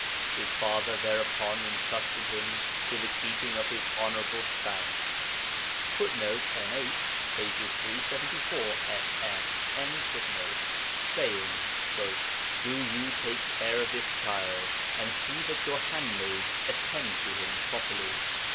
His father thereupon entrusted him to the keeping of his honourable spouse, [Footnote: NH, pp. 374 ff.] saying, "Do you take care of this child, and see that your handmaids attend to him properly."'